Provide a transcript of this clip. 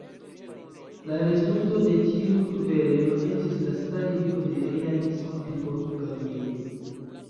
La rezulto de tiu kverelo estis la starigo de realismo en Portugalio.